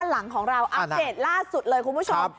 หลังของเราอัปเดตล่าสุดเลยคุณผู้ชม